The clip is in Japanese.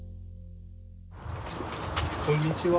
こんにちは。